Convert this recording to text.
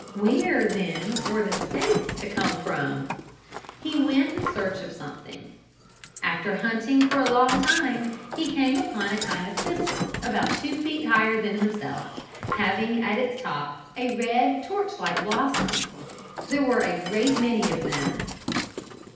Where then were the stakes to come from? He went in search of something. After hunting for a long time he came upon a kind of thistle about two feet higher than himself, having at its top a red torch like blossom. There were a great many of them.